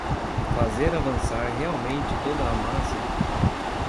fazer avançar realmente toda a massa